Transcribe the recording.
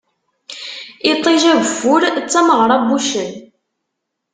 Iṭij, ageffir, d tameɣṛa n wuccen.